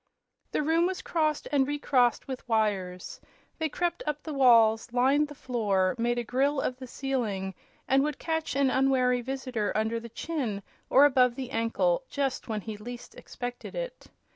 The room was crossed and recrossed with wires. They crept up the walls, lined the floor, made a grille of the ceiling and would catch an unwary visitor under the chin or above the ankle just when he least expected it.